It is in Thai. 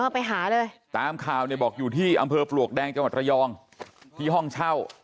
ไปหาเลยตามข่าวเนี่ยบอกอยู่ที่อำเภอปลวกแดงจังหวัดระยองที่ห้องเช่า